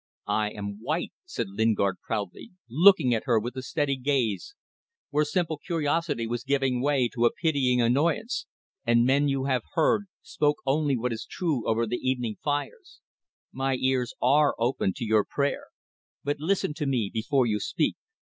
"I am white," said Lingard, proudly, looking at her with a steady gaze where simple curiosity was giving way to a pitying annoyance, "and men you have heard, spoke only what is true over the evening fires. My ears are open to your prayer. But listen to me before you speak.